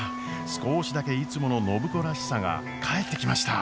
少しだけいつもの暢子らしさが帰ってきました！